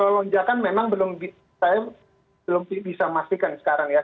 lonjakan memang belum bisa saya masihkan sekarang ya